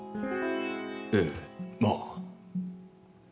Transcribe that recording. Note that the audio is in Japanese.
ええまあ。